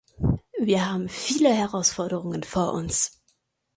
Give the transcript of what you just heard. Wir haben viele Herausforderungen vor uns.